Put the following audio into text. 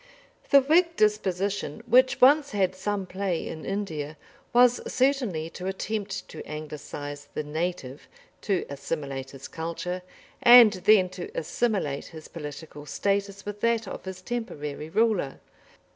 The Whig disposition, which once had some play in India, was certainly to attempt to anglicise the "native," to assimilate his culture, and then to assimilate his political status with that of his temporary ruler.